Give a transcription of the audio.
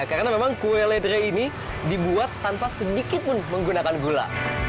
karena memang kue ledre ini dibuat tanpa sedikit pun menggunakan gula